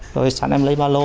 rồi sẵn em lấy ba lô